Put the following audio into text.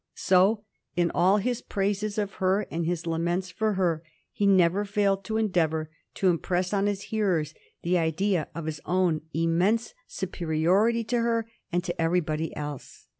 So in all his praises of her and his laments for her he never failed to endeavor to impress on his hearers the idea of his own immense supe riority to her and to everybody else.